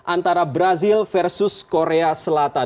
antara brazil versus korea selatan